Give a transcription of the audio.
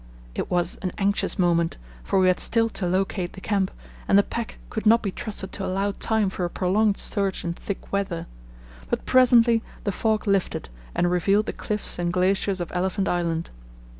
It was an anxious moment, for we had still to locate the camp and the pack could not be trusted to allow time for a prolonged search in thick weather; but presently the fog lifted and revealed the cliffs and glaciers of Elephant Island.